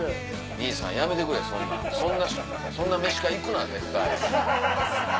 兄さんやめてくれそんなんそんな飯会行くな絶対。